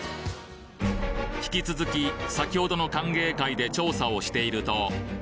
引き続き、先ほどの歓迎会で調査をしていると。